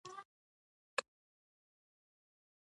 د اوریدو د کمیدو د دوام لپاره د غوږ ډاکټر ته لاړ شئ